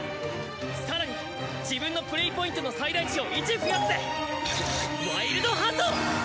更に自分のプレイポイントの最大値を１増やしてワイルドハント！